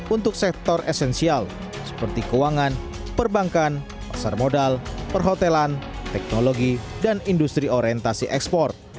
untuk sektor esensial seperti keuangan perbankan pasar modal perhotelan teknologi dan industri orientasi ekspor